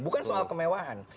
bukan soal kemewahan